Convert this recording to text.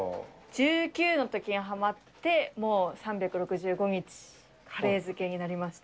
１９のときにはまって、もう３６５日カレー漬けになりました。